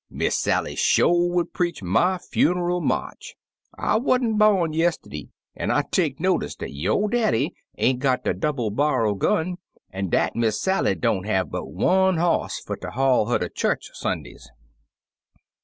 Miss Sally sho* would preach my funer*l march. I wa*n*t bom*d yistiddy, an* I take notice dat yo* daddy ain*t got de double bairl gun, an* dat Miss Sally don*t have but one boss fer ter haul her ter church Sundays.